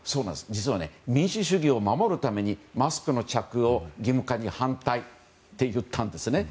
実は民主主義を守るためにマスクの着用の義務化に反対って言ったんですね。